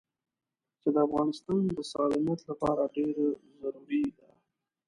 چې د افغانستان د سالميت لپاره ډېره ضروري ده.